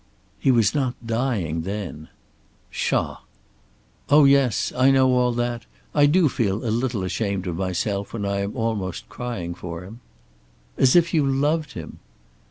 "He was not dying then." "Psha!" "Oh yes. I know all that. I do feel a little ashamed of myself when I am almost crying for him." "As if you loved him!"